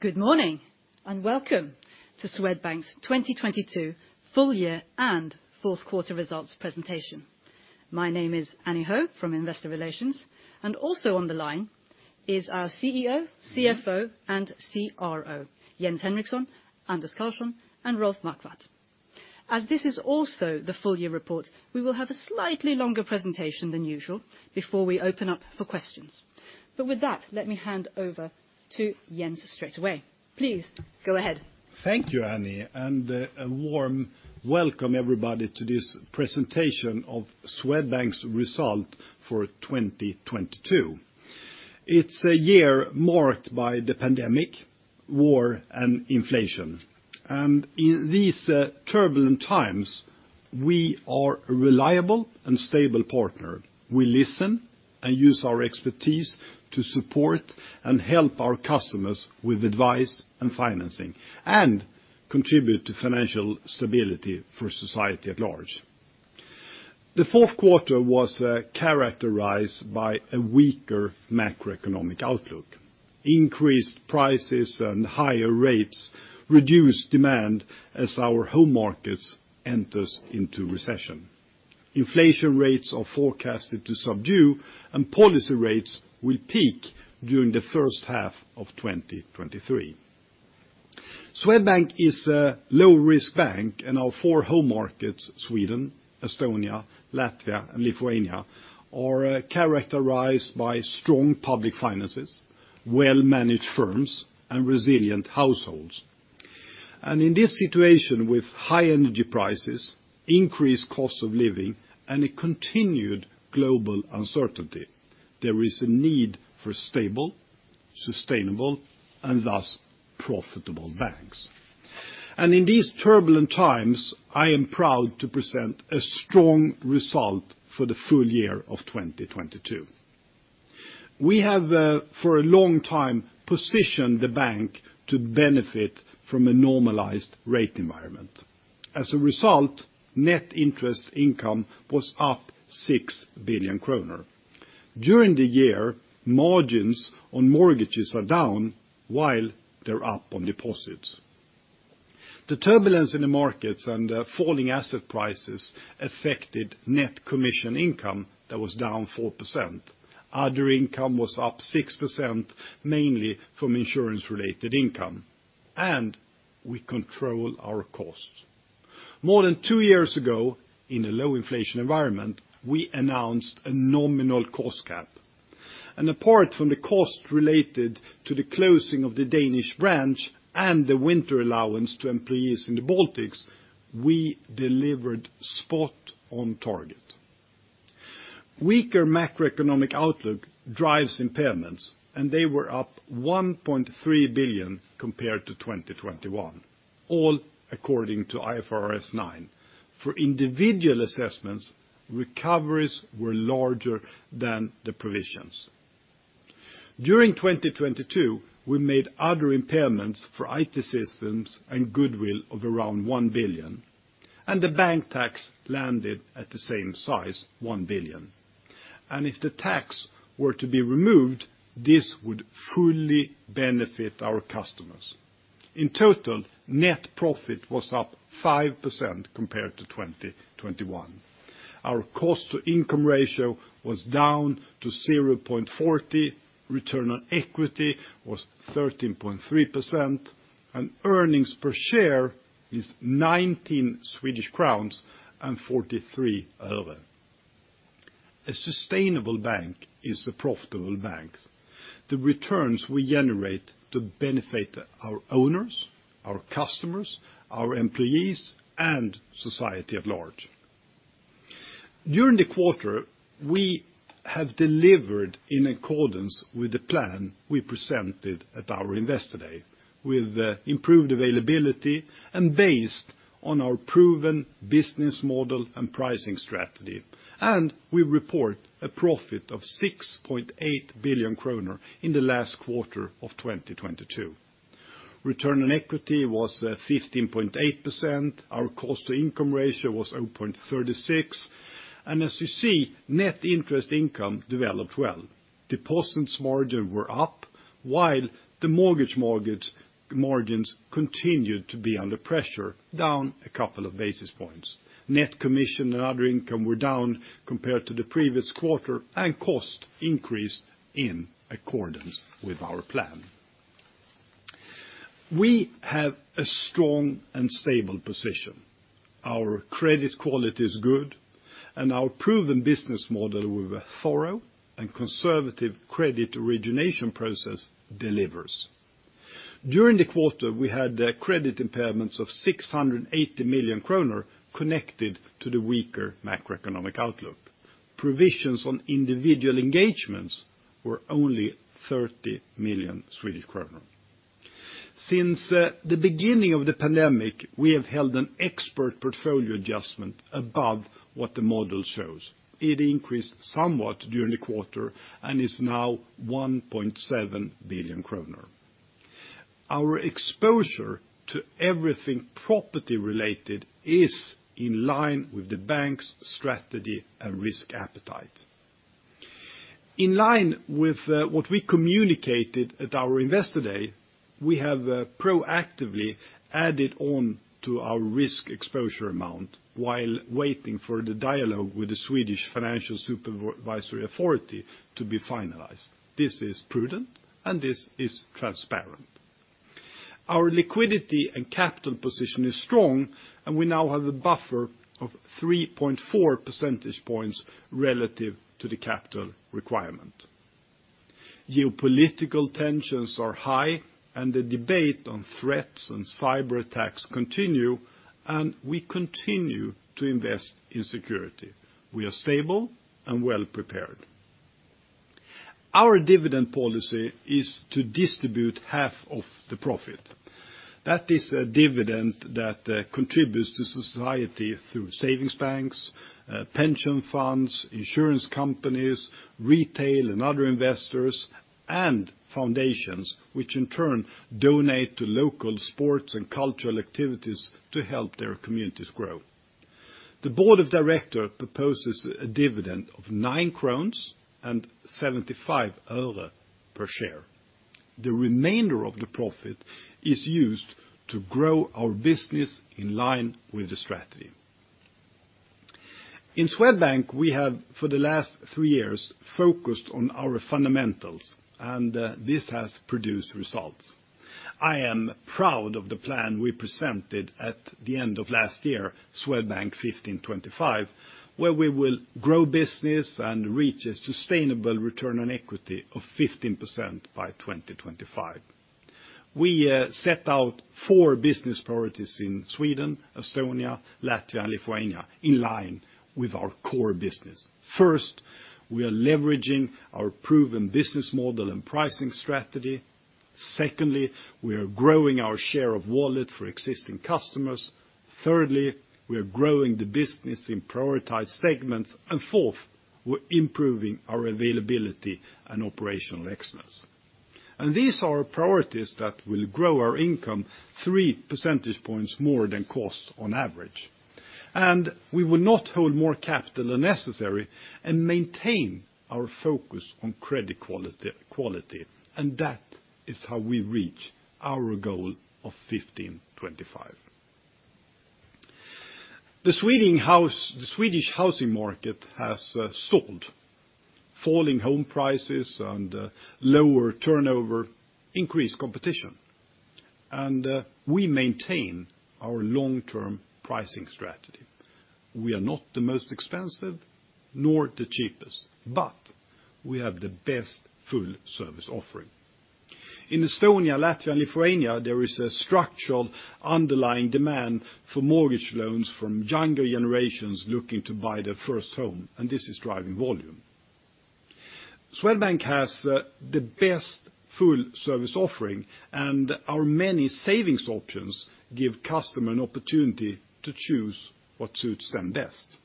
Good morning, and welcome to Swedbank's 2022 full year and Q4 results presentation. My name is Annie Ho from Investor Relations, and also on the line is our CEO, CFO, and CRO, Jens Henriksson, Anders Karlsson, and Rolf Marquardt. As this is also the full year report, we will have a slightly longer presentation than usual before we open up for questions. With that, let me hand over to Jens straight away. Please go ahead. Thank you, Annie, a warm welcome everybody to this presentation of Swedbank's result for 2022. It's a year marked by the pandemic, war, and inflation. In these turbulent times, we are a reliable and stable partner. We listen and use our expertise to support and help our customers with advice and financing, and contribute to financial stability for society at large. The Q4 was characterized by a weaker macroeconomic outlook. Increased prices and higher rates reduced demand as our home markets enters into recession. Inflation rates are forecasted to subdue and policy rates will peak during the first half of 2023. Swedbank is a low-risk bank in our four home markets, Sweden, Estonia, Latvia, and Lithuania, are characterized by strong public finances, well-managed firms, and resilient households. In this situation with high energy prices, increased costs of living, and a continued global uncertainty, there is a need for stable, sustainable, and thus profitable banks. In these turbulent times, I am proud to present a strong result for the full year of 2022. We have for a long time positioned the bank to benefit from a normalized rate environment. As a result, net interest income was up 6 billion kronor. During the year, margins on mortgages are down while they're up on deposits. The turbulence in the markets and falling asset prices affected net commission income that was down 4%. Other income was up 6% mainly from insurance-related income. We control our costs. More than two years ago, in a low inflation environment, we announced a nominal cost cap. Apart from the cost related to the closing of the Danish branch and the winter allowance to employees in the Baltics, we delivered spot on target. Weaker macroeconomic outlook drives impairments, and they were up 1.3 billion compared to 2021, all according to IFRS 9. For individual assessments, recoveries were larger than the provisions. During 2022, we made other impairments for IT systems and goodwill of around 1 billion, and the bank tax landed at the same size, 1 billion. If the tax were to be removed, this would fully benefit our customers. In total, net profit was up 5% compared to 2021. Our cost to income ratio was down to 0.40, return on equity was 13.3%, and earnings per share is 19 Swedish crowns and 43 öre. A sustainable bank is a profitable bank. The returns we generate to benefit our owners, our customers, our employees, and society at large. During the quarter, we have delivered in accordance with the plan we presented at our Investor Day with improved availability and based on our proven business model and pricing strategy. We report a profit of 6.8 billion kronor in the last quarter of 2022. Return on equity was 15.8%. Our cost to income ratio was 0.36. As you see, net interest income developed well. Deposits margin were up, while the mortgage margins continued to be under pressure, down a couple of basis points. Net commission and other income were down compared to the previous quarter, and cost increased in accordance with our plan. We have a strong and stable position. Our credit quality is good, and our proven business model with a thorough and conservative credit origination process delivers. During the quarter, we had credit impairments of 680 million kronor connected to the weaker macroeconomic outlook. Provisions on individual engagements were only 30 million Swedish kronor. Since the beginning of the pandemic, we have held an expert portfolio adjustment above what the model shows. It increased somewhat during the quarter and is now 1.7 billion kronor. Our exposure to everything property related is in line with the bank's strategy and risk appetite. In line with what we communicated at our Investor Day, we have proactively added on to our risk exposure amount while waiting for the dialogue with the Swedish Financial Supervisory Authority to be finalized. This is prudent, and this is transparent. Our liquidity and capital position is strong. We now have a buffer of 3.4 percentage points relative to the capital requirement. Geopolitical tensions are high and the debate on threats and cyberattacks continue, and we continue to invest in security. We are stable and well prepared. Our dividend policy is to distribute half of the profit. That is a dividend that contributes to society through savings banks, pension funds, insurance companies, retail and other investors, and foundations which in turn donate to local sports and cultural activities to help their communities grow. The Board of Directors proposes a dividend of SEK 9.75 per share. The remainder of the profit is used to grow our business in line with the strategy. In Swedbank, we have, for the last 3 years, focused on our fundamentals, and this has produced results. I am proud of the plan we presented at the end of last year, Swedbank 15/25, where we will grow business and reach a sustainable return on equity of 15% by 2025. We set out four business priorities in Sweden, Estonia, Latvia, and Lithuania in line with our core business. First, we are leveraging our proven business model and pricing strategy. Secondly, we are growing our share of wallet for existing customers. Thirdly, we are growing the business in prioritized segments. Fourth, we're improving our availability and operational excellence. These are priorities that will grow our income three percentage points more than cost on average. We will not hold more capital than necessary and maintain our focus on credit quality, and that is how we reach our goal of 15/25. The Swedish housing market has stalled. Falling home prices and lower turnover increased competition. We maintain our long-term pricing strategy. We are not the most expensive nor the cheapest, but we have the best full service offering. In Estonia, Latvia, and Lithuania, there is a structural underlying demand for mortgage loans from younger generations looking to buy their first home, and this is driving volume. Swedbank has the best full service offering, and our many savings options give customer an opportunity to choose what suits them best.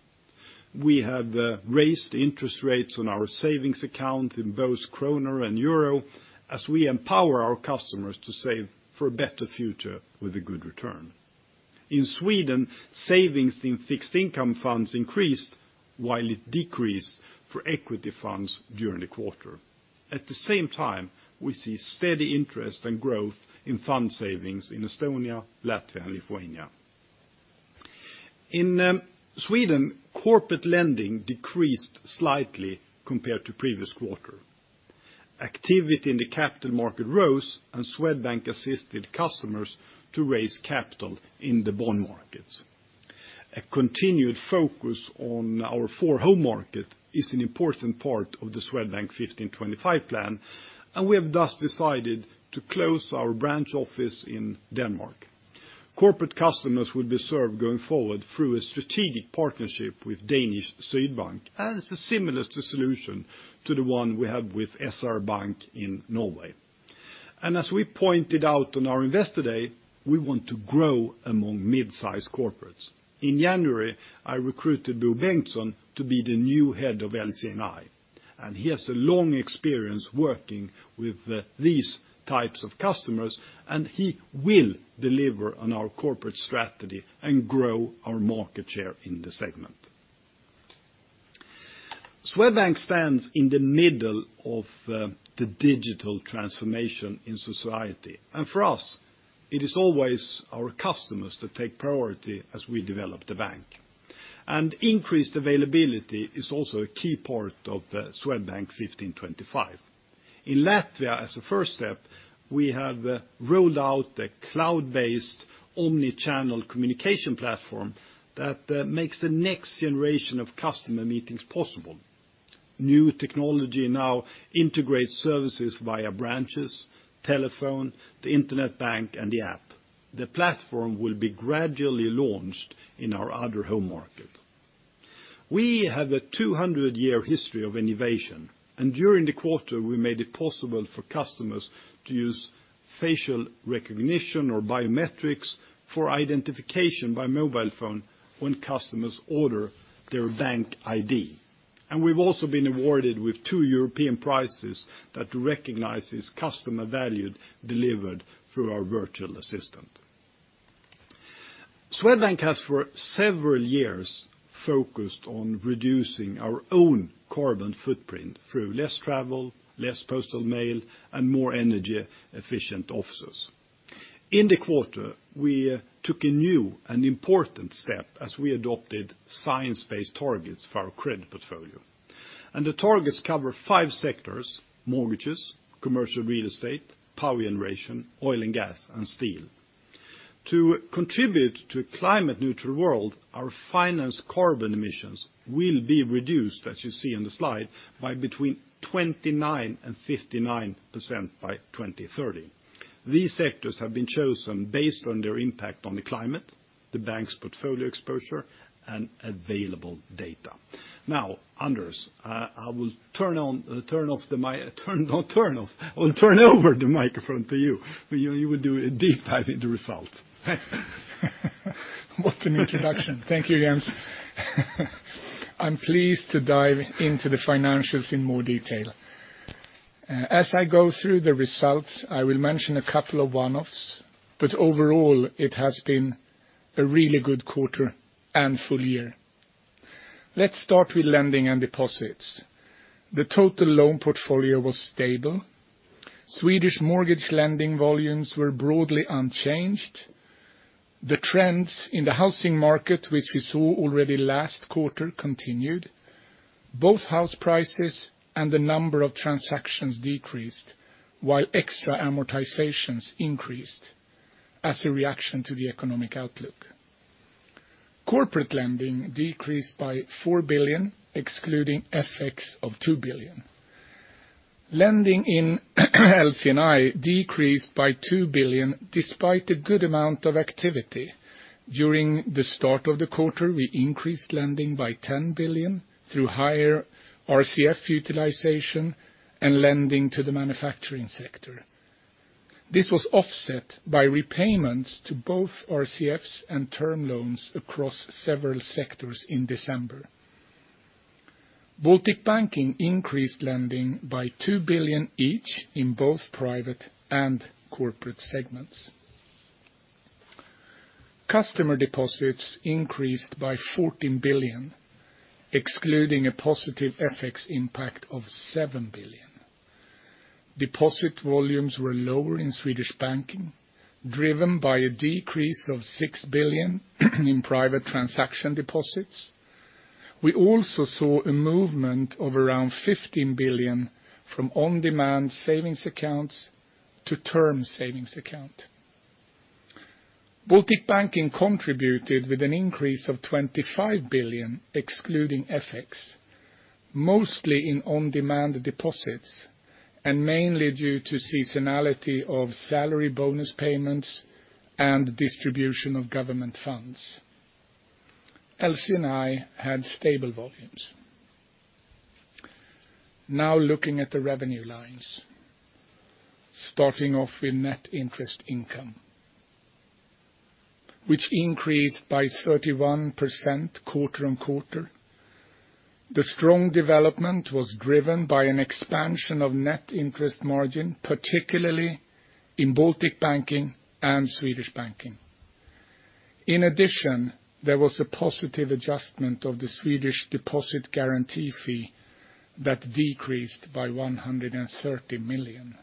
We have raised interest rates on our savings account in both krone and EUR as we empower our customers to save for a better future with a good return. In Sweden, savings in fixed income funds increased while it decreased for equity funds during the quarter. We see steady interest and growth in fund savings in Estonia, Latvia, and Lithuania. In Sweden, corporate lending decreased slightly compared to previous quarter. Activity in the capital market rose and Swedbank assisted customers to raise capital in the bond markets. A continued focus on our four home market is an important part of the Swedbank Fifteen Twenty-Five Plan, and we have thus decided to close our branch office in Denmark. Corporate customers will be served going forward through a strategic partnership with Danish Sydbank, and it's a similar to solution to the one we have with SR Bank in Norway. As we pointed out on our Investor Day, we want to grow among mid-sized corporates. In January, I recruited Bo Bengtsson to be the new head of LC&I, and he has a long experience working with these types of customers, and he will deliver on our corporate strategy and grow our market share in the segment. Swedbank stands in the middle of the digital transformation in society. For us, it is always our customers that take priority as we develop the bank. Increased availability is also a key part of the Swedbank 15/25. In Latvia, as a first step, we have rolled out a cloud-based omni-channel communication platform that makes the next generation of customer meetings possible. New technology now integrates services via branches, telephone, the internet bank, and the app. The platform will be gradually launched in our other home market. We have a 200 year history of innovation, and during the quarter, we made it possible for customers to use facial recognition or biometrics for identification by mobile phone when customers order their BankID. We've also been awarded with two European prizes that recognizes customer value delivered through our virtual assistant. Swedbank has for several years focused on reducing our own carbon footprint through less travel, less postal mail, and more energy-efficient offices. In the quarter, we took a new and important step as we adopted science-based targets for our credit portfolio. The targets cover five sectors, mortgages, commercial real estate, power generation, oil and gas, and steel. To contribute to a climate neutral world, our financed carbon emissions will be reduced, as you see on the slide, by between 29% and 59% by 2030. These sectors have been chosen based on their impact on the climate, the bank's portfolio exposure, and available data. Anders, I will turn over the microphone to you for you will do a deep dive into results. What an introduction. Thank you, Jens. I'm pleased to dive into the financials in more detail. As I go through the results, I will mention a couple of one-offs, Overall it has been a really good quarter and full year. Let's start with lending and deposits. The total loan portfolio was stable. Swedish mortgage lending volumes were broadly unchanged. The trends in the housing market, which we saw already last quarter, continued. Both house prices and the number of transactions decreased while extra amortizations increased as a reaction to the economic outlook. Corporate lending decreased by 4 billion, excluding FX of 2 billion. Lending in LC&I decreased by 2 billion despite a good amount of activity. During the start of the quarter, we increased lending by 10 billion through higher RCF utilization and lending to the manufacturing sector. This was offset by repayments to both RCFs and term loans across several sectors in December. Baltic Banking increased lending by 2 billion each in both private and corporate segments. Customer deposits increased by 14 billion excluding a positive FX impact of 7 billion. Deposit volumes were lower in Swedish Banking, driven by a decrease of 6 billion in private transaction deposits. We also saw a movement of around 15 billion from on-demand savings accounts to term savings account. Baltic Banking contributed with an increase of 25 billion excluding FX, mostly in on-demand deposits, and mainly due to seasonality of salary bonus payments and distribution of government funds. LC&I had stable volumes. Now looking at the revenue lines, starting off with net interest income, which increased by 31% quarter-on-quarter. The strong development was driven by an expansion of net interest margin, particularly in Baltic Banking and Swedish Banking. There was a positive adjustment of the Swedish deposit guarantee fee that decreased by SEK 130 million.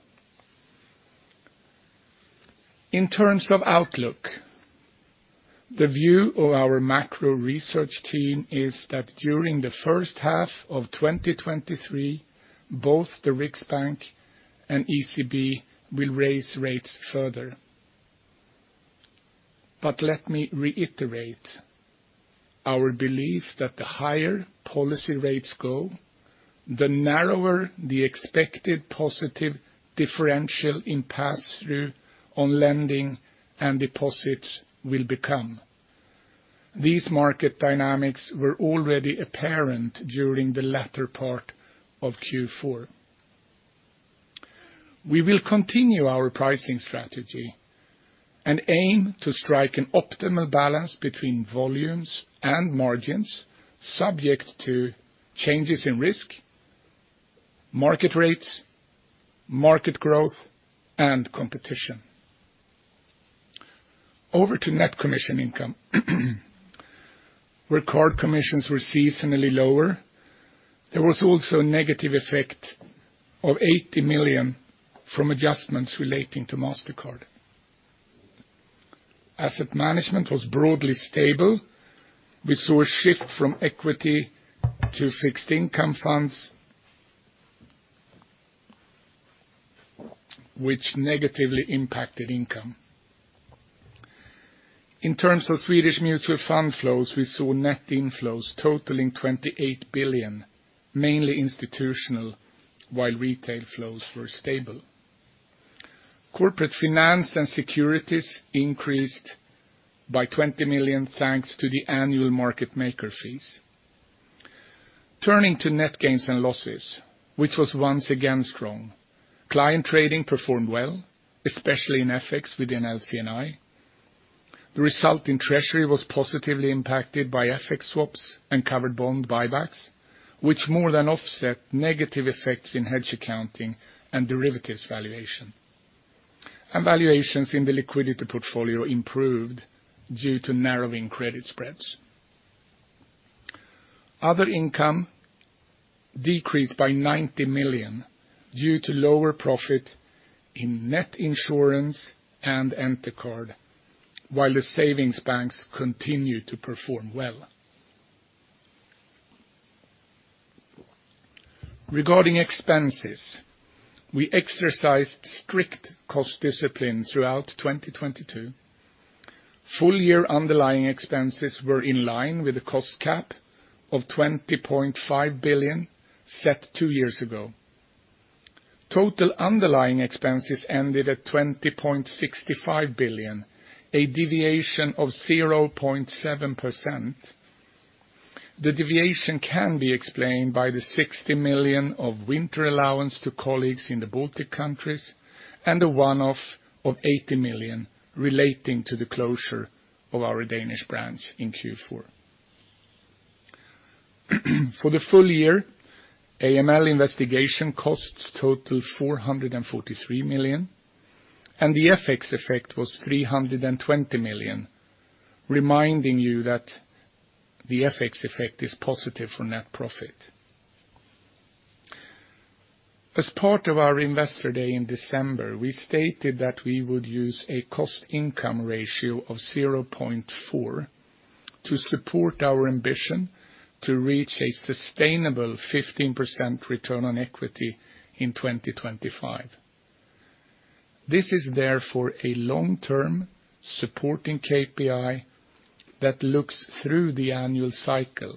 In terms of outlook, the view of our macro research team is that during the first half of 2023, both the Riksbank and ECB will raise rates further. Let me reiterate our belief that the higher policy rates go, the narrower the expected positive differential in pass-through on lending and deposits will become. These market dynamics were already apparent during the latter part of Q4. We will continue our pricing strategy and aim to strike an optimal balance between volumes and margins subject to changes in risk, market rates, market growth, and competition. Over to net commission income, where card commissions were seasonally lower. There was also a negative effect of 80 million from adjustments relating to Mastercard. Asset management was broadly stable. We saw a shift from equity to fixed income funds, which negatively impacted income. In terms of Swedish mutual fund flows, we saw net inflows totaling 28 billion, mainly institutional, while retail flows were stable. Corporate finance and securities increased by 20 million, thanks to the annual market maker fees. Turning to net gains and losses, which was once again strong. Client trading performed well, especially in FX within LC&I. The result in treasury was positively impacted by FX swaps and covered bond buybacks, which more than offset negative effects in hedge accounting and derivatives valuation. Valuations in the liquidity portfolio improved due to narrowing credit spreads. Other income decreased by 90 million due to lower profit in net insurance and Entercard, while the savings banks continued to perform well. Regarding expenses, we exercised strict cost discipline throughout 2022. Full year underlying expenses were in line with the cost cap of 20.5 billion set two years ago. Total underlying expenses ended at 20.65 billion, a deviation of 0.7%. The deviation can be explained by the 60 million of winter allowance to colleagues in the Baltic countries and the one-off of 80 million relating to the closure of our Danish branch in Q4. For the full year, AML investigation costs totaled 443 million, and the FX effect was 320 million, reminding you that the FX effect is positive for net profit. As part of our Investor Day in December, we stated that we would use a cost income ratio of 0.4 to support our ambition to reach a sustainable 15% return on equity in 2025. This is therefore a long-term supporting KPI that looks through the annual cycle.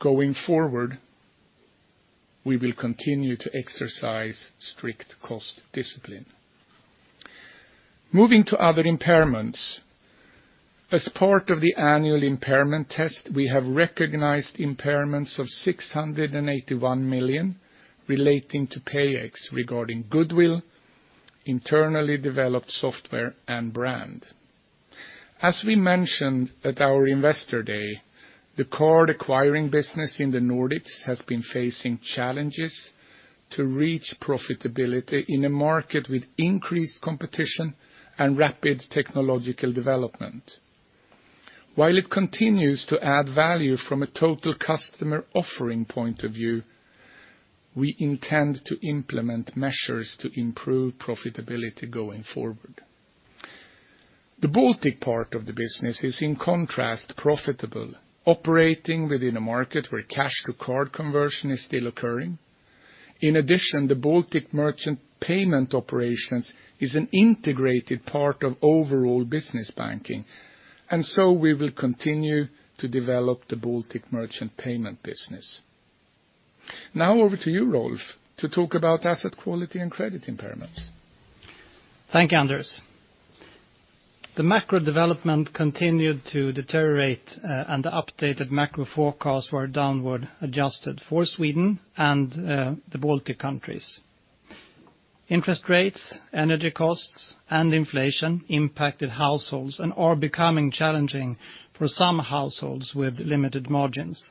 Going forward, we will continue to exercise strict cost discipline. Moving to other impairments. As part of the annual impairment test, we have recognized impairments of 681 million relating to PayEx regarding goodwill, internally developed software, and brand. As we mentioned at our Investor Day, the card acquiring business in the Nordics has been facing challenges to reach profitability in a market with increased competition and rapid technological development. While it continues to add value from a total customer offering point of view, we intend to implement measures to improve profitability going forward. The Baltic part of the business is, in contrast, profitable, operating within a market where cash to card conversion is still occurring. In addition, the Baltic merchant payment operations is an integrated part of overall business banking, and so we will continue to develop the Baltic merchant payment business. Over to you, Rolf, to talk about asset quality and credit impairments. Thank you, Anders. The macro development continued to deteriorate. The updated macro forecasts were downward adjusted for Sweden and the Baltic countries. Interest rates, energy costs, and inflation impacted households and are becoming challenging for some households with limited margins.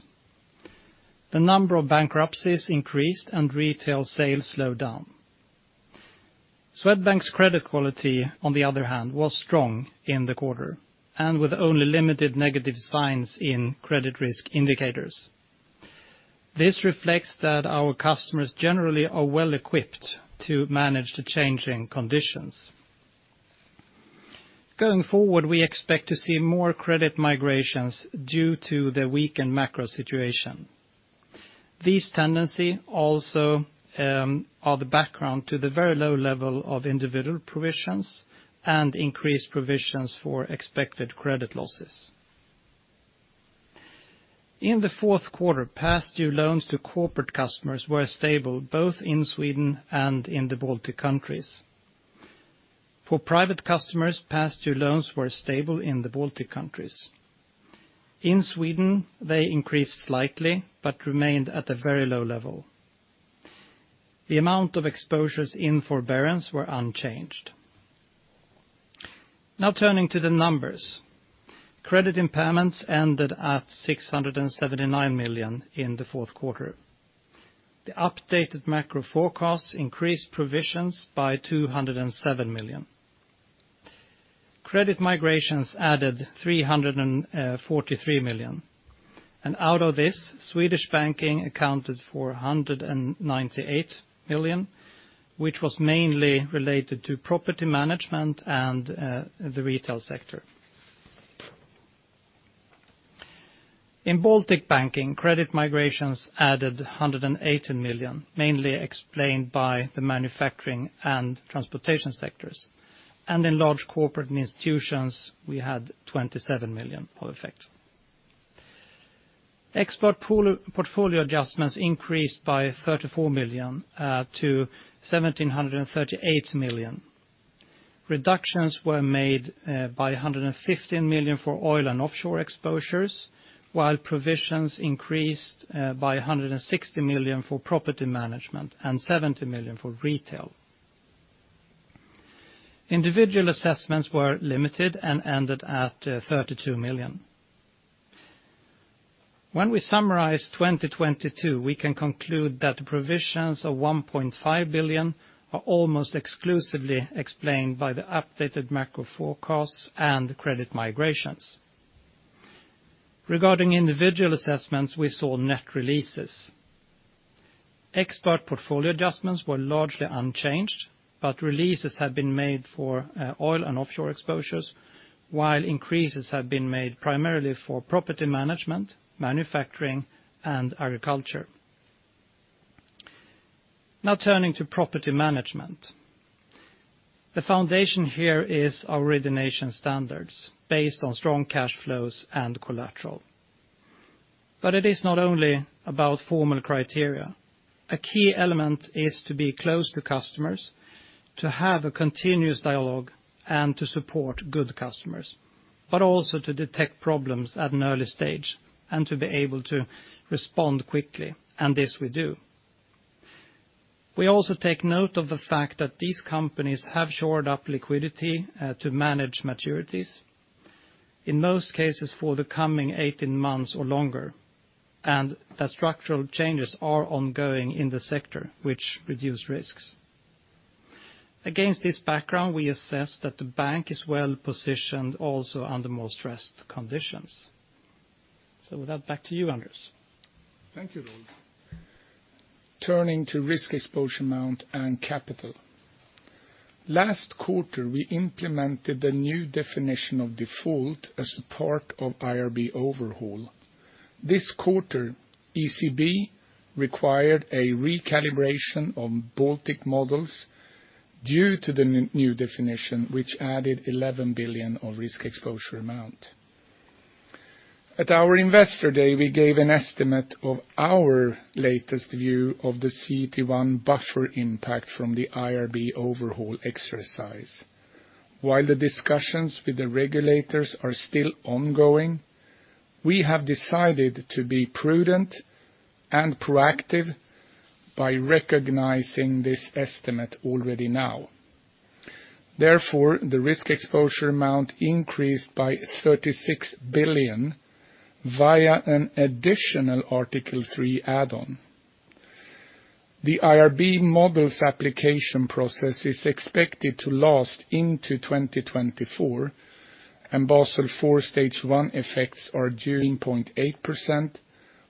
The number of bankruptcies increased and retail sales slowed down. Swedbank's credit quality, on the other hand, was strong in the quarter and with only limited negative signs in credit risk indicators. This reflects that our customers generally are well-equipped to manage the changing conditions. Going forward, we expect to see more credit migrations due to the weakened macro situation. These tendency also are the background to the very low level of individual provisions and increased provisions for expected credit losses. In the Q4, past due loans to corporate customers were stable both in Sweden and in the Baltic countries. For private customers, past due loans were stable in the Baltic countries. In Sweden, they increased slightly but remained at a very low level. The amount of exposures in forbearance were unchanged. Now turning to the numbers. Credit impairments ended at 679 million in the Q4. The updated macro forecasts increased provisions by 207 million. Credit migrations added 343 million, and out of this, Swedish Banking accounted for 198 million, which was mainly related to property management and the retail sector. In Baltic Banking, credit migrations added 118 million, mainly explained by the manufacturing and transportation sectors. In Large Corporate Institutions, we had 27 million of effect. Expert portfolio adjustments increased by 34 million to 1,738 million. Reductions were made by 115 million for oil and offshore exposures, while provisions increased by 160 million for property management and 70 million for retail. Individual assessments were limited and ended at 32 million. When we summarize 2022, we can conclude that the provisions of 1.5 billion are almost exclusively explained by the updated macro forecasts and credit migrations. Regarding individual assessments, we saw net releases. Expert portfolio adjustments were largely unchanged, releases have been made for oil and offshore exposures, while increases have been made primarily for property management, manufacturing, and agriculture. Turning to property management. The foundation here is our origination standards based on strong cash flows and collateral. It is not only about formal criteria. A key element is to be close to customers, to have a continuous dialogue and to support good customers, but also to detect problems at an early stage and to be able to respond quickly, and this we do. We also take note of the fact that these companies have shored up liquidity to manage maturities, in most cases for the coming 18 months or longer, and that structural changes are ongoing in the sector, which reduce risks. Against this background, we assess that the bank is well-positioned also under more stressed conditions. With that, back to you, Anders. Thank you, Rolf. Turning to risk exposure amount and capital. Last quarter, we implemented the new definition of default as part of IRB overhaul. This quarter, ECB required a recalibration of Baltic models due to the new definition, which added 11 billion of risk exposure amount. At our Investor Day, we gave an estimate of our latest view of the CET1 buffer impact from the IRB overhaul exercise. While the discussions with the regulators are still ongoing, we have decided to be prudent and proactive by recognizing this estimate already now. The risk exposure amount increased by 36 billion via an additional Article 3 add-on. The IRB models application process is expected to last into 2024. Basel IV Stage one effects are due in 0.8%,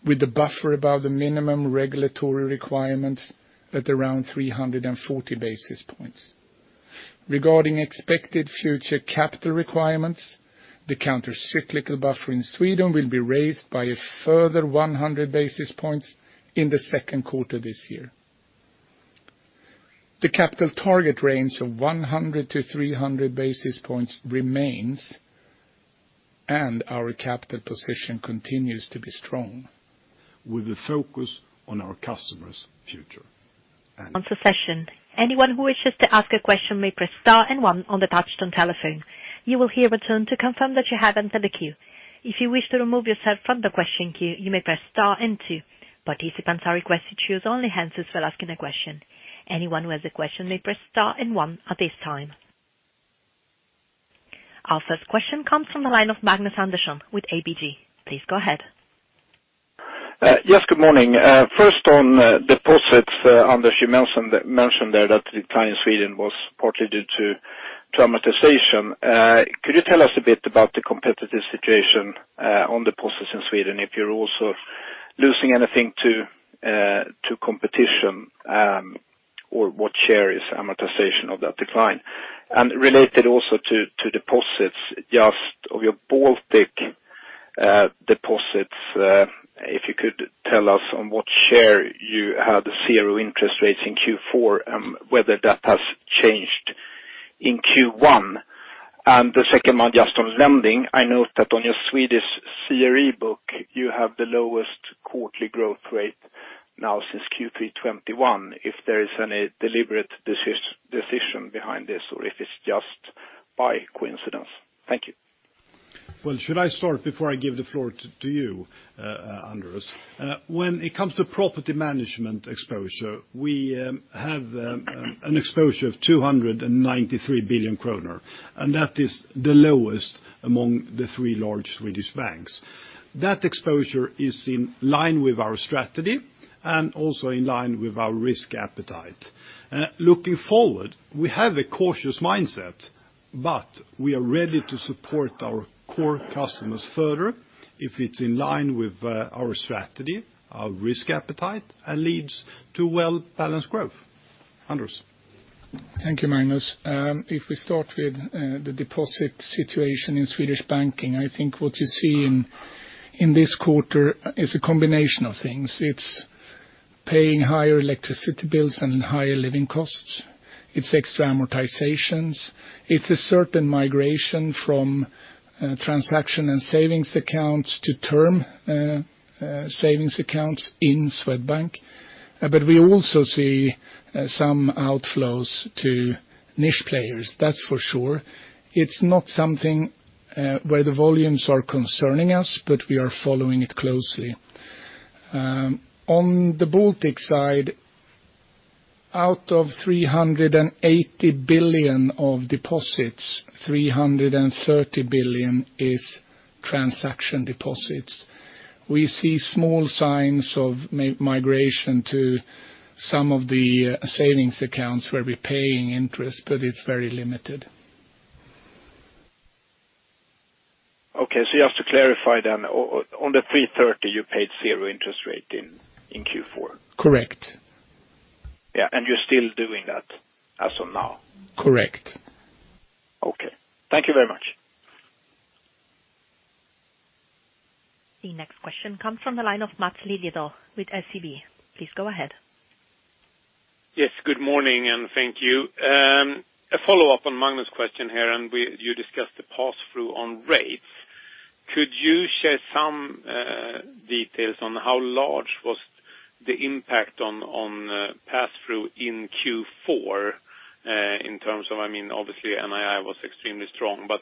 with the buffer above the minimum regulatory requirements at around 340 basis points. Regarding expected future capital requirements, the countercyclical buffer in Sweden will be raised by a further 100 basis points in the Q2 this year. The capital target range of 100 to 300 basis points remains, and our capital position continues to be strong with the focus on our customers' future. For session. Anyone who wishes to ask a question may press star and one on the touchtone telephone. You will hear a tone to confirm that you have entered the queue. If you wish to remove yourself from the question queue, you may press star and two. Participants are requested to use only hands for asking a question. Anyone who has a question may press star and one at this time. Our first question comes from the line of Magnus Andersson with ABG. Please go ahead. Yes, good morning. First on deposits, Anders, you mentioned there that the decline in Sweden was partly due to traumatization. Could you tell us a bit about the competitive situation on deposits in Sweden, if you're also losing anything to competition, or what share is amortization of that decline? Related also to deposits, just of your Baltic deposits, if you could tell us on what share you had zero interest rates in Q4, whether that has changed in Q1. The second one just on lending, I know that on your Swedish CRE book, you have the lowest quarterly growth rate now since Q3 2021, if there is any deliberate decision behind this or if it's just by coincidence. Thank you. Well, should I start before I give the floor to you, Anders? When it comes to property management exposure, we have an exposure of 293 billion kronor, and that is the lowest among the three large Swedish banks. That exposure is in line with our strategy and also in line with our risk appetite. Looking forward, we have a cautious mindset, but we are ready to support our core customers further if it's in line with our strategy, our risk appetite, and leads to well-balanced growth. Anders. Thank you, Magnus. If we start with the deposit situation in Swedish Banking, I think what you see in this quarter is a combination of things. It's paying higher electricity bills and higher living costs. It's extra amortizations. It's a certain migration from transaction and savings accounts to term savings accounts in Swedbank. We also see some outflows to niche players, that's for sure. It's not something where the volumes are concerning us, but we are following it closely. On the Baltic side. Out of 380 billion of deposits, 330 billion is transaction deposits. We see small signs of migration to some of the savings accounts where we're paying interest, but it's very limited. Okay. just to clarify then, on the 330 you paid 0 interest rate in Q4? Correct. Yeah. You're still doing that as of now? Correct. Okay. Thank you very much. The next question comes from the line of Mats Liljedahl with SEB. Please go ahead. Yes, good morning, and thank you. A follow-up on Magnus' question here, you discussed the pass-through on rates. Could you share some details on how large was the impact on pass-through in Q4 in terms of, I mean, obviously NII was extremely strong, but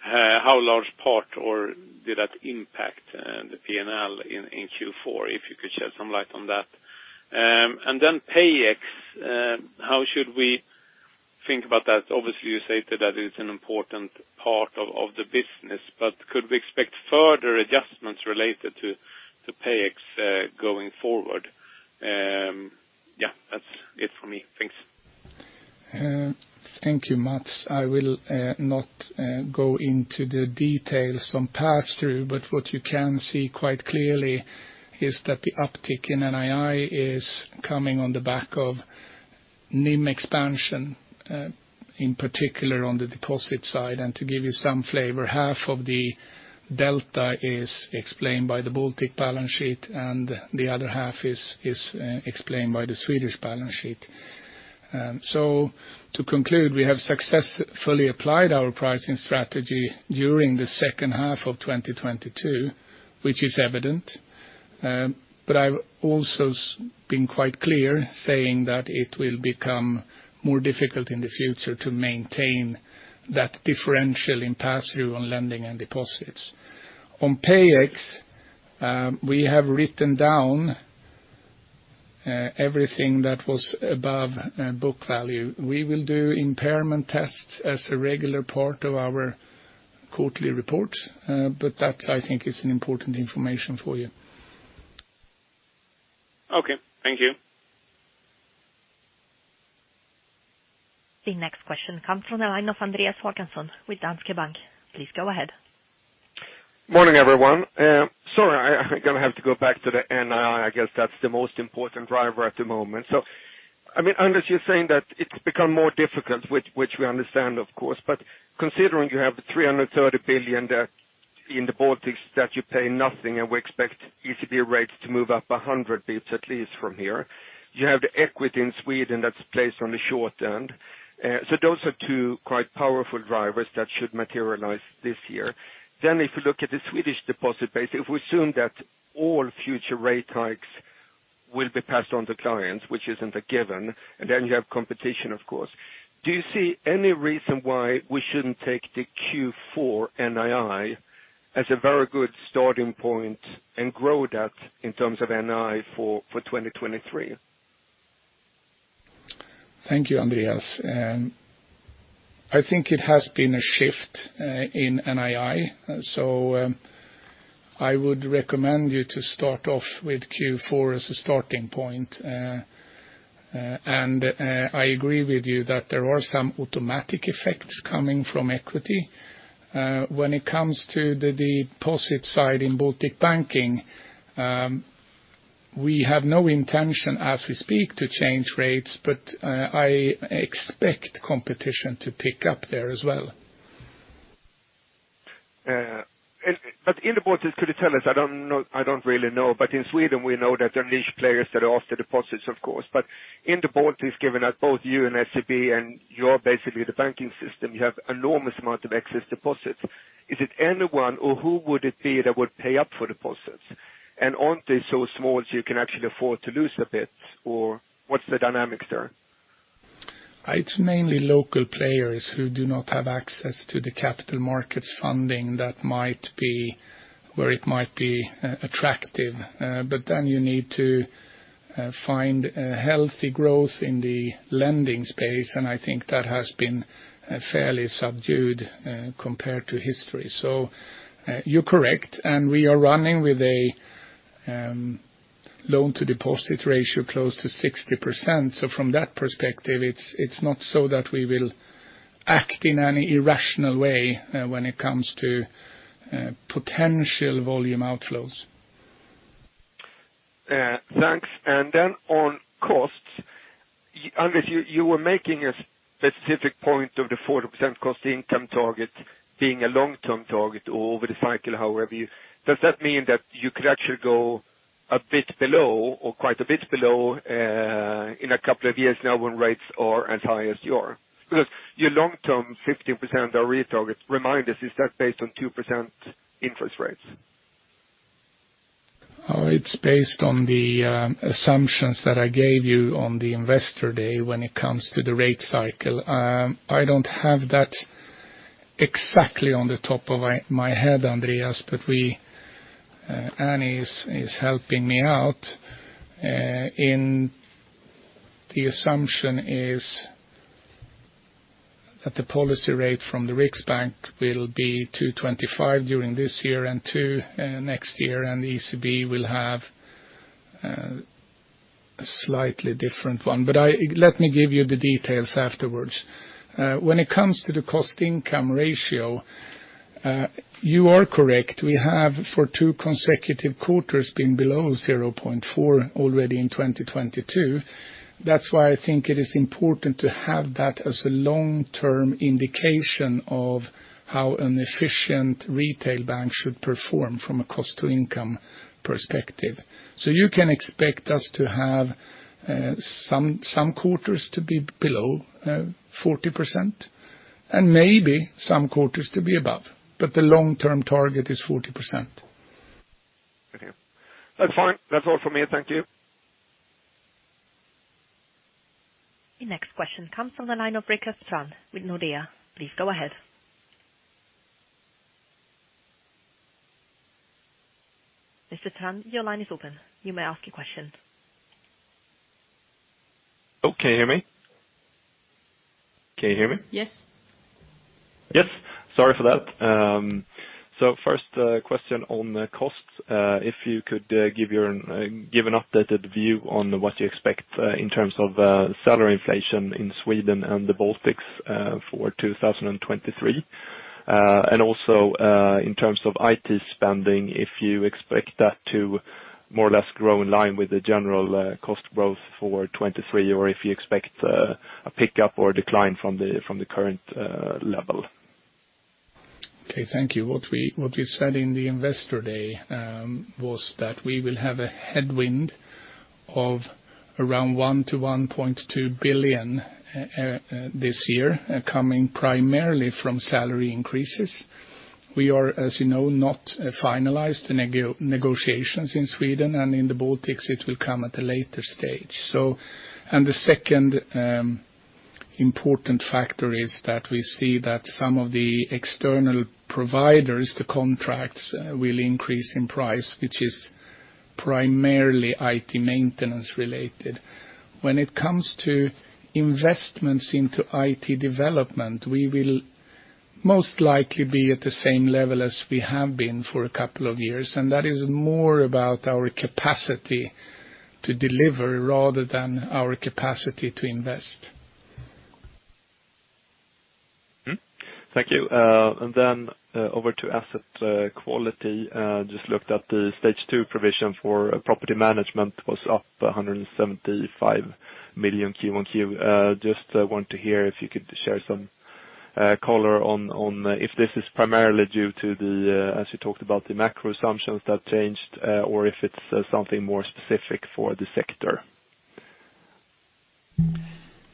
how large part or did that impact the P&L in Q4, if you could shed some light on that? PayEx, how should we think about that? Obviously, you stated that it's an important part of the business, but could we expect further adjustments related to PayEx going forward? Yeah, that's it for me. Thanks. Thank you, Mats. I will not go into the details on pass-through, but what you can see quite clearly is that the uptick in NII is coming on the back of NIM expansion, in particular on the deposit side. To give you some flavor, half of the delta is explained by the Baltic balance sheet, and the other half is explained by the Swedish balance sheet. To conclude, we have successfully applied our pricing strategy during the second half of 2022, which is evident. I've also been quite clear saying that it will become more difficult in the future to maintain that differential in pass-through on lending and deposits. On PayEx, we have written down everything that was above book value. We will do impairment tests as a regular part of our quarterly report, but that, I think is an important information for you. Okay, thank you. The next question comes from the line of Andreas Håkansson with Danske Bank. Please go ahead. Morning, everyone. Sorry, I'm gonna have to go back to the NII. I guess that's the most important driver at the moment. I mean, Anders, you're saying that it's become more difficult, which we understand, of course. Considering you have 330 billion there in the Baltics that you pay nothing, and we expect ECB rates to move up 100 bits at least from here, you have the equity in Sweden that's placed on the short end. Those are two quite powerful drivers that should materialize this year. If you look at the Swedish deposit base, if we assume that all future rate hikes will be passed on to clients, which isn't a given, and then you have competition, of course, do you see any reason why we shouldn't take the Q4 NII as a very good starting point and grow that in terms of NII for 2023? Thank you, Andreas. I think it has been a shift in NII, so I would recommend you to start off with Q4 as a starting point. I agree with you that there are some automatic effects coming from equity. When it comes to the deposit side in Baltic Banking, we have no intention as we speak to change rates, but I expect competition to pick up there as well. In the Baltics, could you tell us, I don't know, I don't really know, but in Sweden we know that there are niche players that are after deposits, of course. In the Baltics, given that both you and SEB and you're basically the banking system, you have enormous amount of excess deposits. Is it anyone or who would it be that would pay up for deposits? Aren't they so small that you can actually afford to lose a bit or what's the dynamics there? It's mainly local players who do not have access to the capital markets funding that might be where it might be attractive. You need to find healthy growth in the lending space, and I think that has been fairly subdued compared to history. You're correct, and we are running with a loan-to-deposit ratio close to 60%. From that perspective, it's not so that we will act in any irrational way when it comes to potential volume outflows. Thanks. On costs, Anders, you were making a specific point of the 40% cost income target being a long-term target over the cycle, however you... Does that mean that you could actually go a bit below or quite a bit below in a couple of years now when rates are as high as you are? Your long-term 15% ROE target, remind us, is that based on 2% interest rates? It's based on the assumptions that I gave you on the Investor Day when it comes to the rate cycle. I don't have that exactly on the top of my head, Andreas, we Annie is helping me out. In the assumption is that the policy rate from the Riksbank will be 2.25% during this year and 2% next year, the ECB will have a slightly different one. I. Let me give you the details afterwards. When it comes to the cost-income ratio, you are correct. We have for 2 consecutive quarters been below 0.4% already in 2022. That's why I think it is important to have that as a long-term indication of how an efficient retail bank should perform from a cost to income perspective. You can expect us to have some quarters to be below 40% and maybe some quarters to be above, but the long-term target is 40%. Thank you. That's fine. That's all for me. Thank you. The next question comes from the line of Rickard Strand with Nordea. Please go ahead. Mr. Strand, your line is open. You may ask your questions. Oh, can you hear me? Can you hear me? Yes. Yes. Sorry for that. First, question on the costs. If you could, give your updated view on what you expect, in terms of, salary inflation in Sweden and the Baltics, for 2023. Also, in terms of IT spending, if you expect that to more or less grow in line with the general, cost growth for 2023, or if you expect, a pickup or decline from the, from the current, level. Okay, thank you. What we said in the Investor Day was that we will have a headwind of around 1 billion-1.2 billion this year coming primarily from salary increases. We are, as you know, not finalized the negotiations in Sweden and in the Baltics, it will come at a later stage. The second important factor is that we see that some of the external providers, the contracts will increase in price, which is primarily IT maintenance related. When it comes to investments into IT development, we will most likely be at the same level as we have been for a couple of years, and that is more about our capacity to deliver rather than our capacity to invest. Thank you. Over to asset quality, just looked at the stage two provision for property management was up 175 million Q and Q. Just want to hear if you could share some color on if this is primarily due to the as you talked about, the macro assumptions that changed or if it's something more specific for the sector?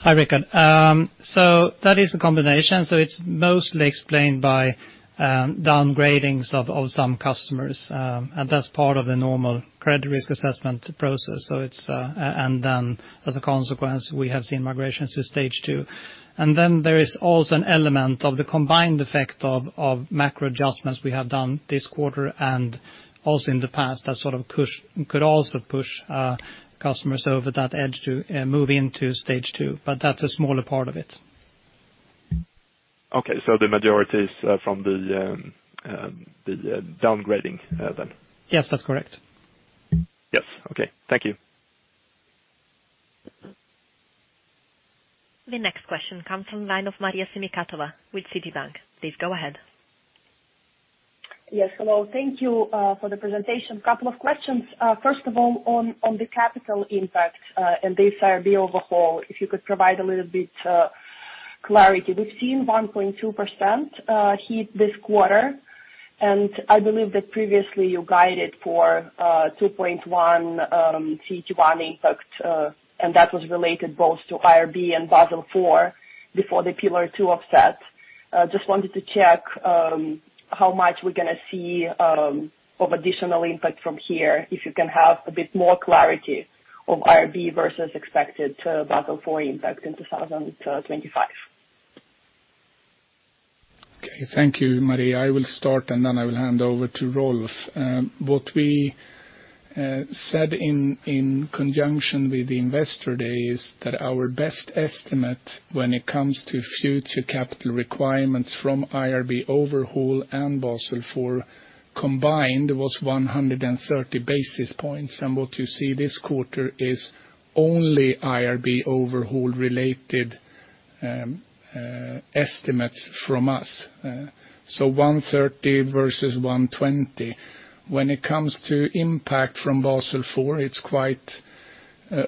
Hi, Rickard. That is a combination. It's mostly explained by downgradings of some customers, and that's part of the normal credit risk assessment process. As a consequence, we have seen migrations to stage two. There is also an element of the combined effect of macro adjustments we have done this quarter and also in the past that sort of push, could also push customers over that edge to move into stage two, but that's a smaller part of it. Okay. The majority is from the downgrading then? Yes, that's correct. Yes. Okay. Thank you. The next question comes from line of Maria Semikhatova with Citibank. Please go ahead. Yes, hello. Thank you for the presentation. A couple of questions. First of all, on the capital impact, and the IRB overhaul, if you could provide a little bit clarity. We've seen 1.2% hit this quarter, and I believe that previously you guided for 2.1% CET1 impact, and that was related both to IRB and Basel IV before the Pillar 2 offset. Just wanted to check how much we're gonna see of additional impact from here, if you can have a bit more clarity of IRB versus expected Basel IV impact in 2025. Okay, thank you, Maria. I will start. Then I will hand over to Rolf. What we said in conjunction with the Investor Day is that our best estimate when it comes to future capital requirements from IRB overhaul and Basel IV combined was 130 basis points. What you see this quarter is only IRB overhaul related estimates from us. 130 versus 120. When it comes to impact from Basel IV, it's quite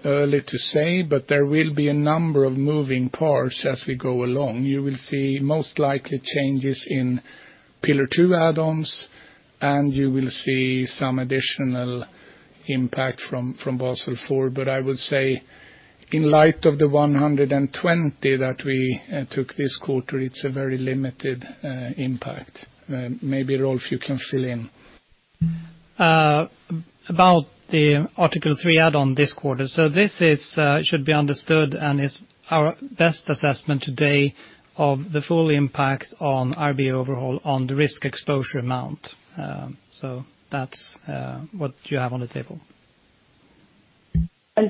early to say. There will be a number of moving parts as we go along. You will see most likely changes in Pillar 2 add-ons. You will see some additional impact from Basel IV. I would say in light of the 120 that we took this quarter, it's a very limited impact. maybe, Rolf, you can fill in. About the Article 3 add on this quarter. This is should be understood and is our best assessment today of the full impact on REA overall on the risk exposure amount. That's what you have on the table.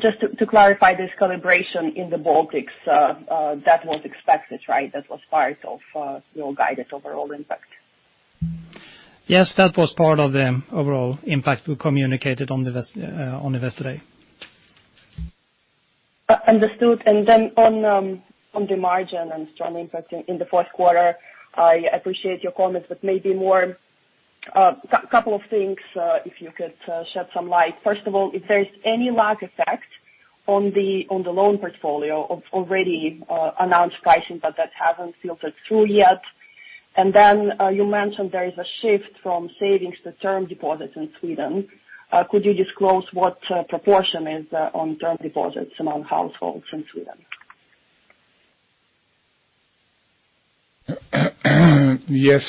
Just to clarify this calibration in the Baltics, that was expected, right? That was part of your guidance overall impact. Yes, that was part of the overall impact we communicated on Investor Day. Understood. Then on the margin and strong impact in the Q4, I appreciate your comments. Maybe more... Couple of things, if you could shed some light. First of all, if there is any lag effect on the, on the loan portfolio of already, announced pricing but that hasn't filtered through yet. Then, you mentioned there is a shift from savings to term deposits in Sweden. Could you disclose what, proportion is, on term deposits among households in Sweden?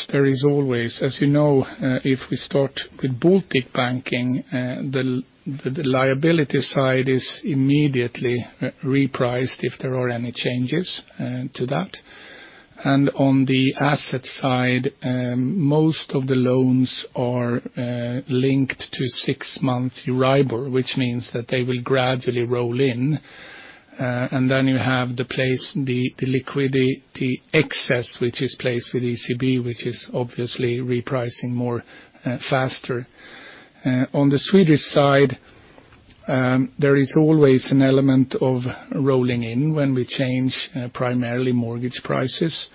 There is always. As you know, if we start with Baltic Banking, the liability side is immediately repriced if there are any changes to that. On the asset side, most of the loans are linked to 6-month STIBOR, which means that they will gradually roll in. Then you have the place, the liquidity excess, which is placed with ECB, which is obviously repricing more faster. On the Swedish side, there is always an element of rolling in when we change primarily mortgage prices.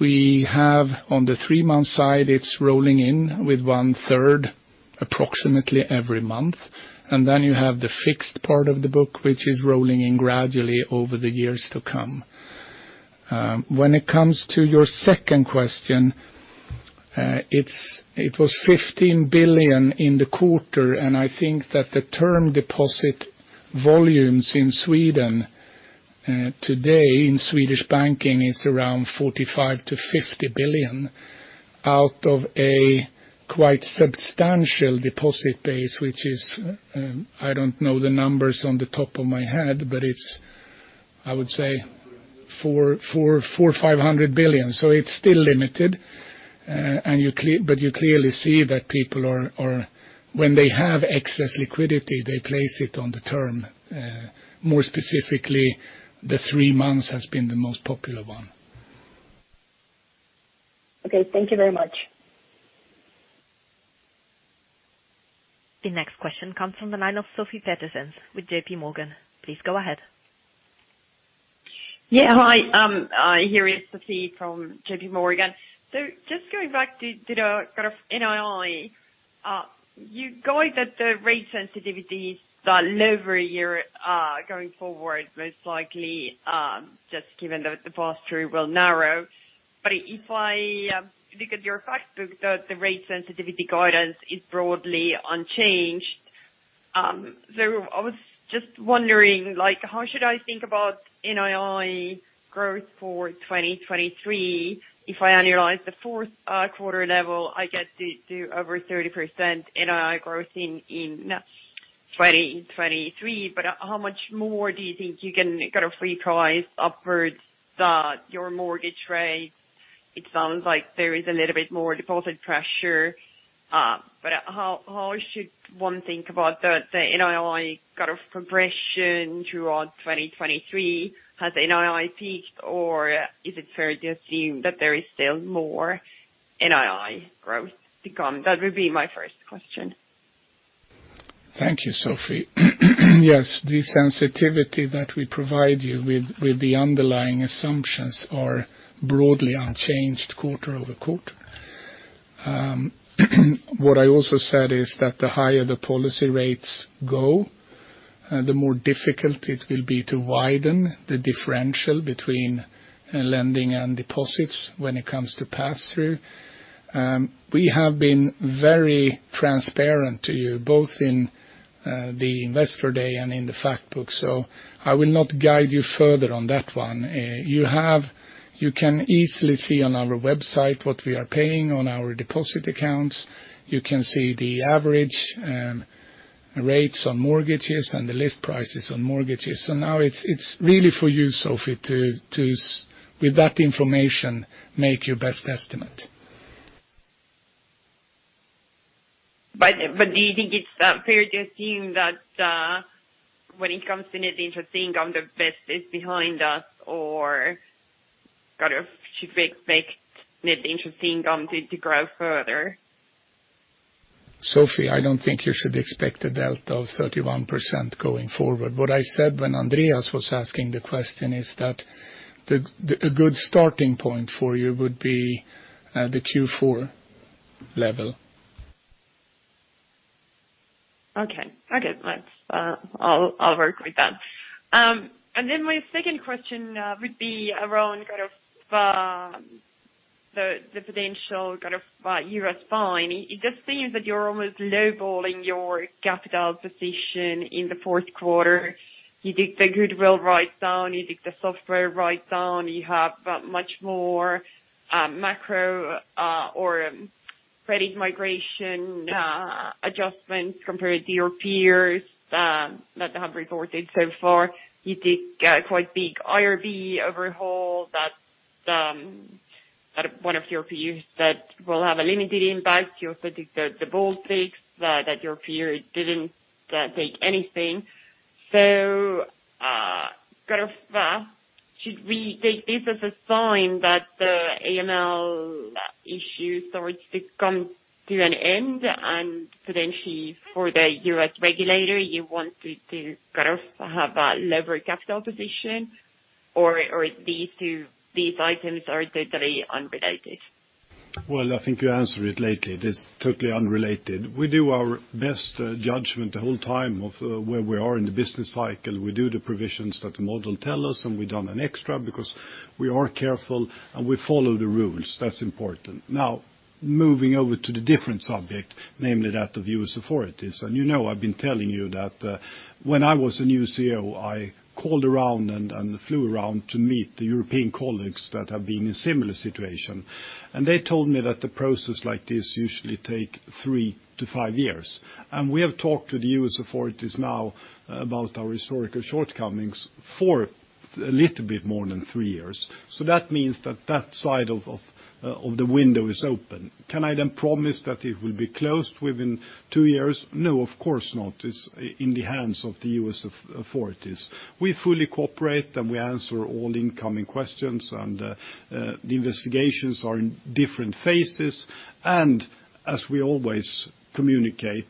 We have on the 3-month side, it's rolling in with one-third approximately every month. Then you have the fixed part of the book, which is rolling in gradually over the years to come. When it comes to your second question, it was 15 billion in the quarter. I think that the term deposit volumes in Sweden today in Swedish Banking is around 45 billion-50 billion out of a quite substantial deposit base, which is, I don't know the numbers on the top of my head, but it's, I would say, 400 billion-500 billion. It's still limited. But you clearly see that people are... When they have excess liquidity, they place it on the term. More specifically, the 3 months has been the most popular one. Okay, thank you very much. The next question comes from the line of Sofie Peterzens with J.P. Morgan. Please go ahead. Yeah, hi. Here is Sophie from J.P. Morgan. Just going back to the kind of NII, you guide that the rate sensitivities are lower a year going forward, most likely, just given the pass-through will narrow. If I look at your fact, the rate sensitivity guidance is broadly unchanged. I was just wondering, like, how should I think about NII growth for 2023? If I annualize the Q4 level, I get to over 30% NII growth in 2023. How much more do you think you can kind of reprice upwards your mortgage rate? It sounds like there is a little bit more deposit pressure. How should one think about the NII kind of progression throughout 2023? Has NII peaked, or is it fair to assume that there is still more NII growth to come? That would be my first question. Thank you, Sofie. Yes, the sensitivity that we provide you with the underlying assumptions are broadly unchanged quarter-over-quarter. What I also said is that the higher the policy rates go, the more difficult it will be to widen the differential between lending and deposits when it comes to pass-through. We have been very transparent to you, both in the Investor Day and in the fact book. I will not guide you further on that one. You can easily see on our website what we are paying on our deposit accounts. You can see the average rates on mortgages and the list prices on mortgages. Now it's really for you, Sofie, to s- with that information, make your best estimate. Do you think it's fair to assume that, when it comes to net interest income, the best is behind us or kind of should we expect net interest income to grow further? Sofie, I don't think you should expect a delta of 31% going forward. What I said when Andreas was asking the question is that the a good starting point for you would be the Q4 level. Okay. Okay. Let's, I'll work with that. My second question would be around kind of the potential kind of Euro spine. It just seems that you're almost low-balling your capital position in the Q4. You did the goodwill write down, you did the software write down, you have much more macro or credit migration adjustments compared to your peers that have resorted so far. You did a quite big IRB overhaul that one of your peers said will have a limited impact. You also took the bold takes that your peer didn't take anything. kind of, should we take this as a sign that the AML issues starts to come to an end, and potentially for the U.S. regulator, you want to kind of have a lever capital position? These items are totally unrelated? Well, I think you answered it lately. It is totally unrelated. We do our best judgment the whole time of where we are in the business cycle. We do the provisions that the model tell us, and we've done an extra because we are careful and we follow the rules. That's important. Moving over to the different subject, namely that the U.S. authorities, and you know, I've been telling you that when I was a new CEO, I called around and flew around to meet the European colleagues that have been in a similar situation. They told me that the process like this usually take 3 to 5 years. We have talked to the U.S. authorities now about our historical shortcomings for a little bit more than 3 years. That means that that side of the window is open. Can I promise that it will be closed within two years? No, of course not. It's in the hands of the U.S. authorities. We fully cooperate, and we answer all incoming questions and the investigations are in different phases. As we always communicate,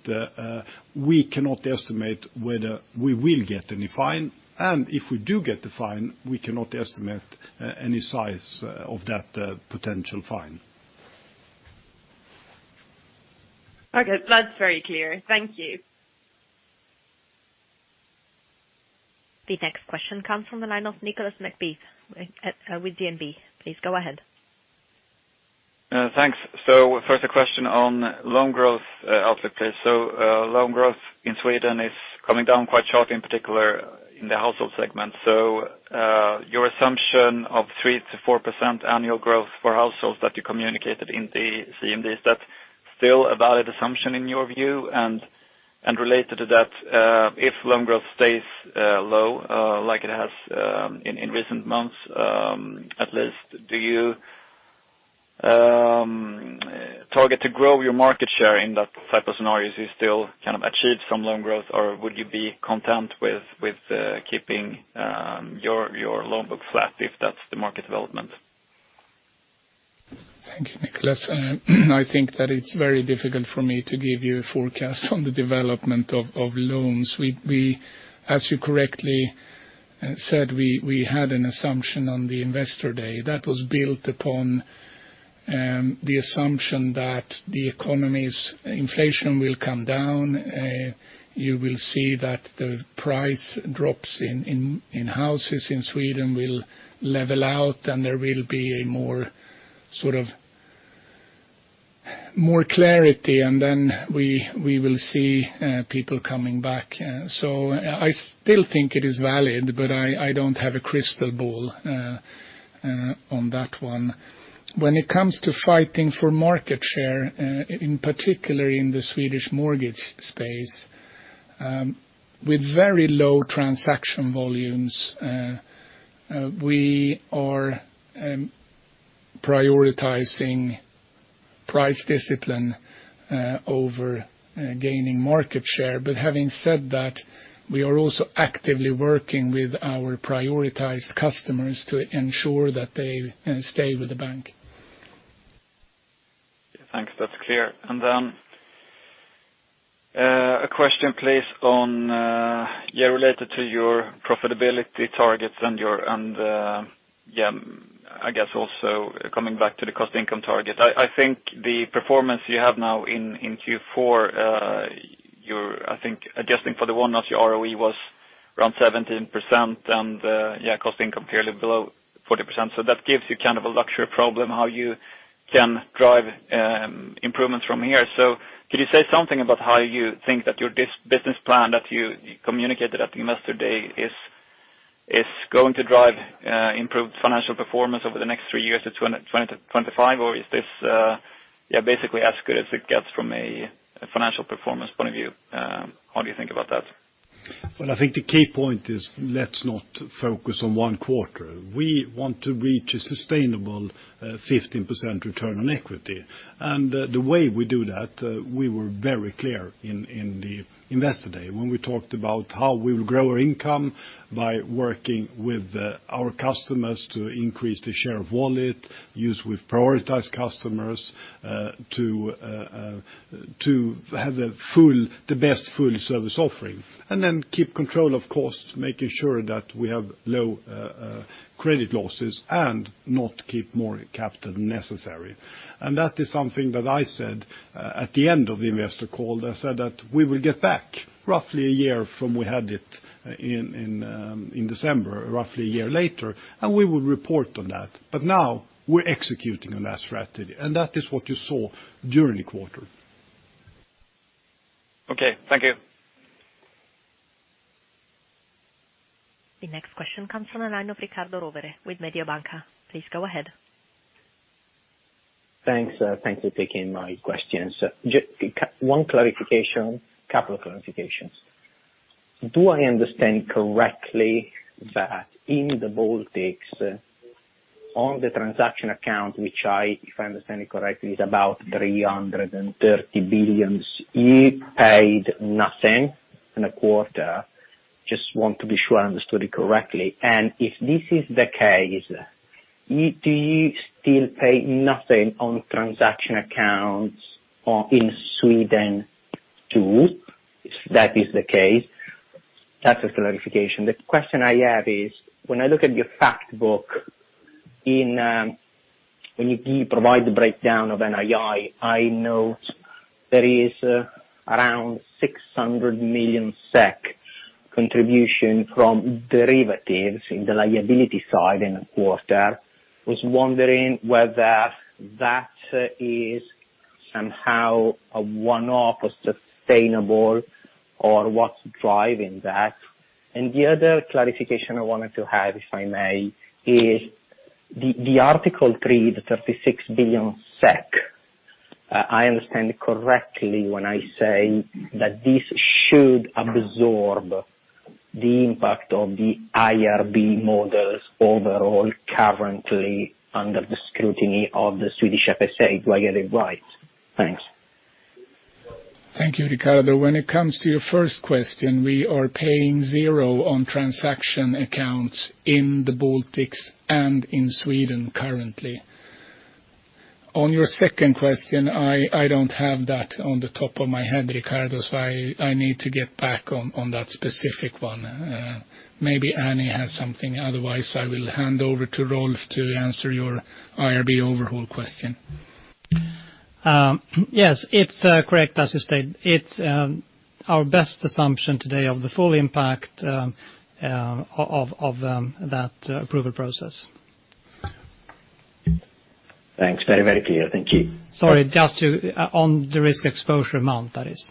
we cannot estimate whether we will get any fine. If we do get the fine, we cannot estimate any size of that potential fine. Okay. That's very clear. Thank you. The next question comes from the line of Nicolas McBeath with DNB. Please go ahead. Thanks. First a question on loan growth outlook, please? Loan growth in Sweden is coming down quite sharply, in particular in the household segment. Your assumption of 3%-4% annual growth for households that you communicated in the CMD, is that still a valid assumption in your view? Related to that, if loan growth stays low, like it has in recent months, at least, do you target to grow your market share in that type of scenarios? You still kind of achieve some loan growth, or would you be content with keeping your loan book flat if that's the market development? Thank you, Nicolas. I think that it's very difficult for me to give you a forecast on the development of loans. As you correctly said, we had an assumption on the Investor Day. That was built upon the assumption that the economy's inflation will come down. You will see that the price drops in houses in Sweden will level out, and there will be a more, sort of, more clarity, and then we will see people coming back. I still think it is valid, but I don't have a crystal ball on that one. When it comes to fighting for market share, in particular in the Swedish mortgage space, with very low transaction volumes, we are prioritizing price discipline over gaining market share. Having said that, we are also actively working with our prioritized customers to ensure that they stay with the bank. Yeah, thanks. That's clear. A question, please, on, yeah, related to your profitability targets and your, and, yeah, I guess also coming back to the cost income target. I think the performance you have now in Q4, your, I think, adjusting for the one-off your ROE was around 17% and, yeah, cost income fairly below 40%. That gives you kind of a luxury problem how you can drive improvements from here. Could you say something about how you think that your business plan that you communicated at Investor Day is going to drive improved financial performance over the next three years to 2020 to 2025? Is this, yeah, basically as good as it gets from a financial performance point of view? How do you think about that? Well, I think the key point is let's not focus on one quarter. We want to reach a sustainable, 15% return on equity. The way we do that, we were very clear in the Investor Day when we talked about how we will grow our income by working with, our customers to increase the share of wallet use with prioritized customers, to have a full, the best full service offering, and then keep control of cost, making sure that we have low, credit losses and not keep more capital necessary. That is something that I said, at the end of the investor call. I said that we will get back roughly a year from we had it in December, roughly a year later, and we will report on that. Now we're executing on that strategy, and that is what you saw during the quarter. Okay, thank you. The next question comes from the line of Riccardo Rovere with Mediobanca. Please go ahead. Thanks. Thanks for taking my questions. One clarification. Couple of clarifications. Do I understand correctly that in the Baltics, on the transaction account, which I, if I understand it correctly, is about 330 billion, it paid nothing in a quarter? Just want to be sure I understood it correctly. If this is the case, do you still pay nothing on transaction accounts or in Sweden too, if that is the case? That's just clarification. The question I have is, when I look at your fact book, in, when you provide the breakdown of NII, I note there is around 600 million SEK contribution from derivatives in the liability side in a quarter. Was wondering whether that is somehow a one-off or sustainable or what's driving that. The other clarification I wanted to have, if I may, is the Article 3, the 36 billion SEK, I understand correctly when I say that this should absorb the impact of the IRB models overall currently under the scrutiny of the Swedish FSA. Do I get it right? Thanks. Thank you, Riccardo. When it comes to your first question, we are paying 0 on transaction accounts in the Baltics and in Sweden currently. On your second question, I don't have that on the top of my head, Riccardo, so I need to get back on that specific one. Maybe Annie has something, otherwise, I will hand over to Rolf to answer your IRB overhaul question. Yes, it's correct, as you state. It's our best assumption today of the full impact of that approval process. Thanks. Very, very clear. Thank you. Sorry, just to... On the Risk Exposure Amount, that is.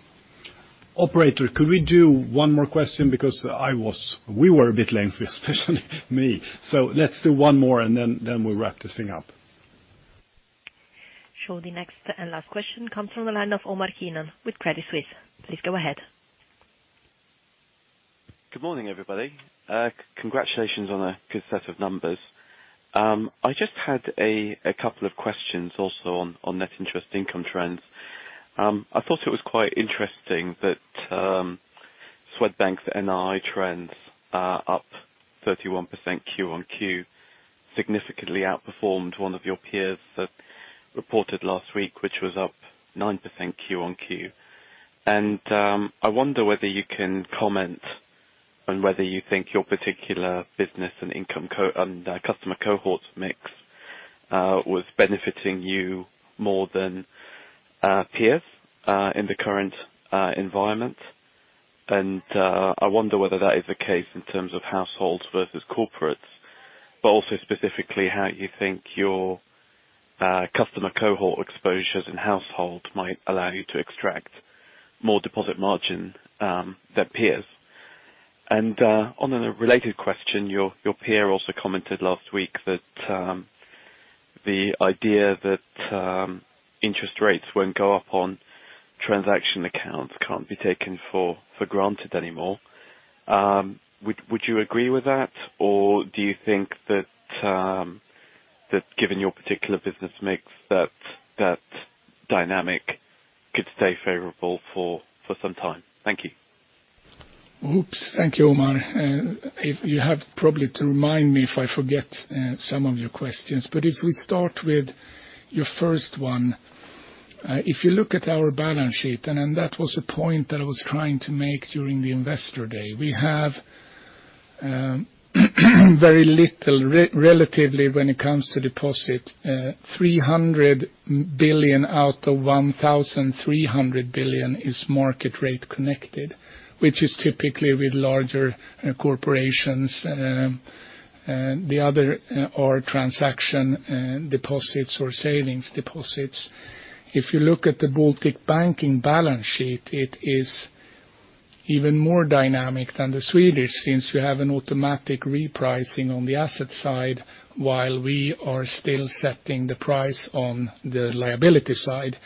Operator, could we do one more question? We were a bit lengthy, especially me. Let's do one more, and then we'll wrap this thing up. Sure. The next and last question comes from the line of Omar Keenan with Credit Suisse. Please go ahead. Good morning, everybody. Congratulations on a good set of numbers. I just had a couple of questions also on net interest income trends. I thought it was quite interesting that Swedbank's NII trends are up 31% Q on Q, significantly outperformed one of your peers that reported last week, which was up 9% Q on Q. I wonder whether you can comment on whether you think your particular business and income and customer cohorts mix was benefiting you more than peers in the current environment. I wonder whether that is the case in terms of households versus corporates, but also specifically how you think your customer cohort exposures in households might allow you to extract more deposit margin than peers. On a related question, your peer also commented last week that the idea that interest rates won't go up on transaction accounts can't be taken for granted anymore. Would you agree with that? Or do you think that given your particular business mix, that dynamic could stay favorable for some time? Thank you. Oops. Thank you, Omar. If you have probably to remind me if I forget some of your questions, but if we start with your first one. If you look at our balance sheet, and that was a point that I was trying to make during the Investor Day, we have very little relatively when it comes to deposit. 300 billion out of 1,300 billion is market rate connected, which is typically with larger corporations. The other are transaction deposits or savings deposits. If you look at the Baltic Banking balance sheet, it is even more dynamic than the Swedish Banking, since you have an automatic repricing on the asset side while we are still setting the price on the liability side.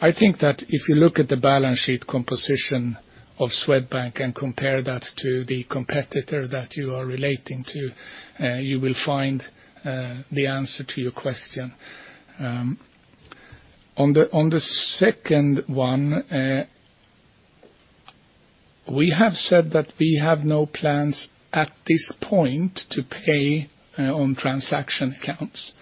I think that if you look at the balance sheet composition of Swedbank and compare that to the competitor that you are relating to, you will find the answer to your question. On the, on the second one, we have said that we have no plans at this point to pay on transaction accounts.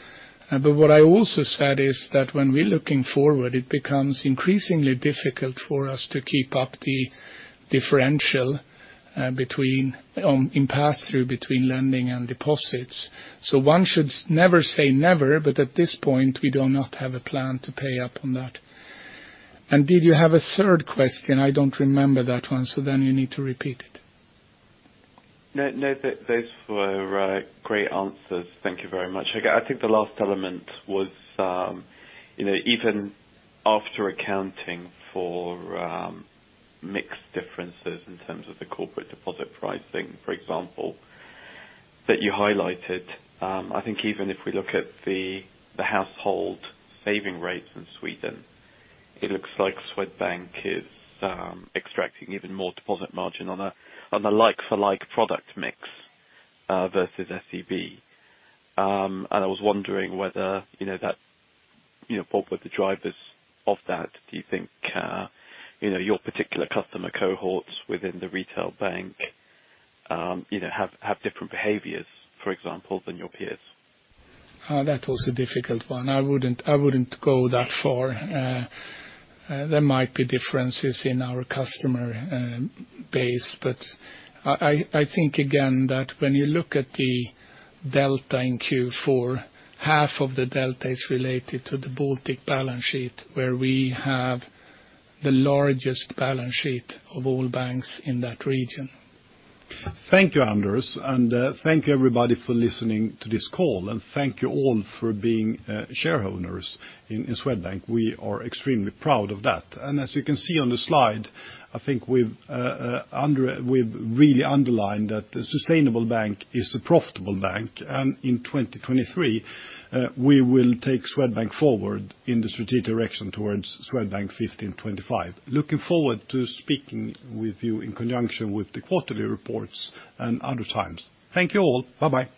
What I also said is that when we're looking forward, it becomes increasingly difficult for us to keep up the differential between in pass through between lending and deposits. One should never say never, but at this point, we do not have a plan to pay up on that. Did you have a third question? I don't remember that one. You need to repeat it. No, no. Those were great answers. Thank you very much. I think the last element was, you know, even after accounting for mix differences in terms of the corporate deposit pricing, for example, that you highlighted, I think even if we look at the household saving rates in Sweden, it looks like Swedbank is extracting even more deposit margin on a like for like product mix versus SEB. I was wondering whether, you know, that, you know, what were the drivers of that? Do you think, you know, your particular customer cohorts within the retail bank, you know, have different behaviors, for example, than your peers? That was a difficult one. I wouldn't go that far. There might be differences in our customer base. I think again that when you look at the delta in Q4, half of the delta is related to the Baltic balance sheet, where we have the largest balance sheet of all banks in that region. Thank you, Anders, and thank you, everybody, for listening to this call. Thank you all for being shareholders in Swedbank. We are extremely proud of that. As you can see on the slide, I think we've really underlined that a sustainable bank is a profitable bank. In 2023, we will take Swedbank forward in the strategic direction towards Swedbank 15/25. Looking forward to speaking with you in conjunction with the quarterly reports and other times. Thank you all. Bye-bye.